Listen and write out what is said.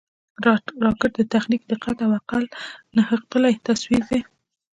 راکټ د تخنیک، دقت او عقل نغښتلی تصویر دی